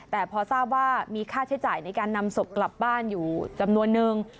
แต่พอทราบว่ามีค่าใช้จ่ายในการนำศพกลับบ้านอยู่จำนวนนึง